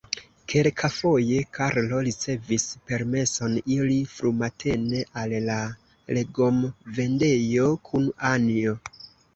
Kelkafoje Karlo ricevis permeson iri frumatene al la legomvendejo kun Anjo.